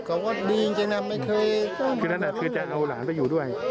เขาก็ว่าดีจริงจริงนะไม่เคยเจ้าทางอยู่ด้วย